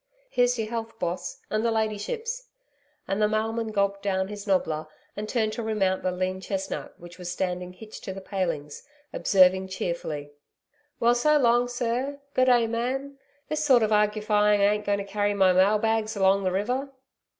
Here's your health, Boss, and the Ladyship's.' And the mailman gulped down his 'nobbler' and turned to remount the lean chestnut, which was standing hitched to the palings, observing cheerfully: 'Well, so long, Sir. Go'day, Ma'am. This sort of argufying ain't going to carry my mail bags along the river.'